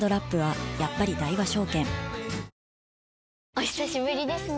お久しぶりですね。